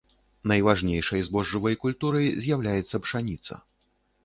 Найважнейшай збожжавай культурай з'яўляецца пшаніца.